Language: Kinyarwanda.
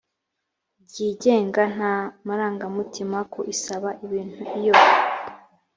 ryigenga nta marangamutima ku isaba ibintu iyo